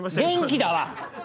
元気だわ！